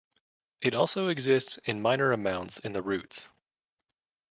It also exists in minor amounts in the roots.